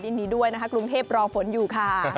ยินดีด้วยนะคะกรุงเทพรอฝนอยู่ค่ะ